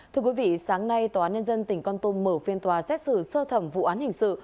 thưa quý vị sáng nay tòa án nhân dân tỉnh con tum mở phiên tòa xét xử sơ thẩm vụ án hình sự